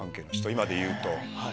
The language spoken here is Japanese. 今でいうと。